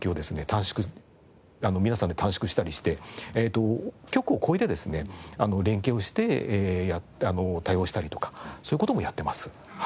短縮皆さんで短縮したりして局を越えてですね連携をして対応したりとかそういう事もやってます。